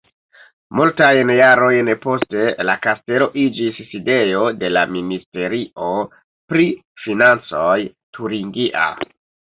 Multajn jarojn poste la kastelo iĝis sidejo de la Ministerio pri financoj turingia.